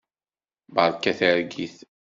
Beṛka targit.